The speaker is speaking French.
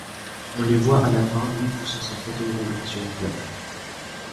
On les voit à la fin, lui poussant son fauteuil roulant sur une plage.